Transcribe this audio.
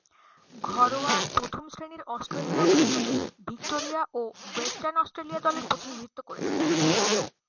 ঘরোয়া প্রথম-শ্রেণীর অস্ট্রেলীয় ক্রিকেটে ভিক্টোরিয়া ও ওয়েস্টার্ন অস্ট্রেলিয়া দলের প্রতিনিধিত্ব করেছিলেন।